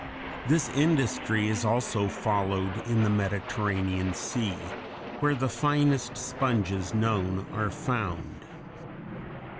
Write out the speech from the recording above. This industry is also followed in the Mediterranean Sea, where the finest sponges known are found.